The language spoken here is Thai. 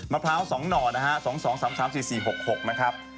พร้าว๒หน่อนะฮะ๒๒๓๓๔๔๖๖นะครับ